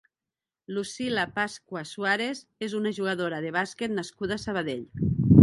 Lucila Pascua Suárez és una jugadora de bàsquet nascuda a Sabadell.